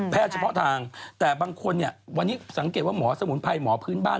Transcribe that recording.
เฉพาะทางแต่บางคนเนี่ยวันนี้สังเกตว่าหมอสมุนไพรหมอพื้นบ้าน